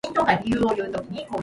His mother was Fujiwara no Sawako.